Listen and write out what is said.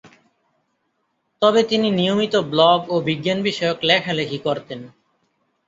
তবে তিনি নিয়মিত ব্লগ ও বিজ্ঞান-বিষয়ক লেখালেখি করতেন।